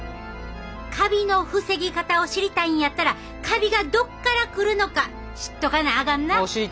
カビの防ぎ方を知りたいんやったらカビがどっから来るのか知っとかなあかんな。